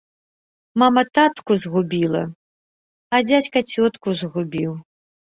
Мамка тату згубіла, а дзядзька цётку згубіў!